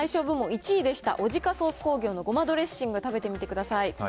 部門１位でした、オジカソース工業の胡麻ドレッシング、食べてみてください。